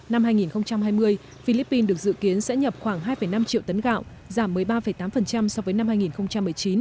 năm hai nghìn hai mươi philippines được dự kiến sẽ nhập khoảng hai năm triệu tấn gạo giảm một mươi ba tám so với năm hai nghìn một mươi chín